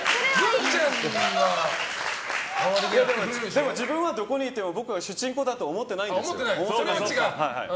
でも、自分はどこにいても僕は主人公だと思ってないんです。